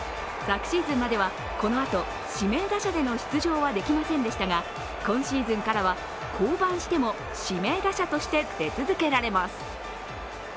昨シーズンまではこのあと指名打者での出場はできませんでしたが、今シーズンからは降板しても指名打者として出続けられます。